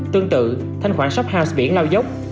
tương tự thanh khoản shophouse biển lao dốc